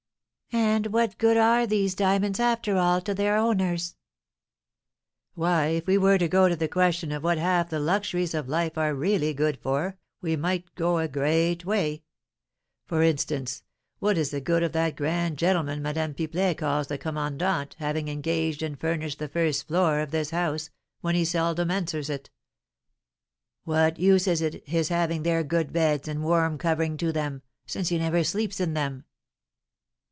And what good are these diamonds, after all, to their owners?" "Why, if we were to go to the question of what half the luxuries of life are really good for, we might go a great way; for instance, what is the good of that grand gentleman Madame Pipelet calls the commandant having engaged and furnished the first floor of this house, when he seldom enters it? What use is it his having there good beds, and warm covering to them, since he never sleeps in them?"